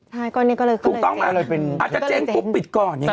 ใช่ก็นี่ก็เลยถูกต้องอาจจะเจ๊งปุ๊บปิดก่อนอย่างเงี้ย